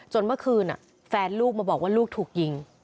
เมื่อคืนแฟนลูกมาบอกว่าลูกถูกยิง